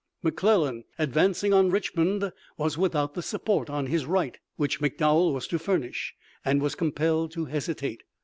McClellan, advancing on Richmond, was without the support on his right which McDowell was to furnish and was compelled to hesitate.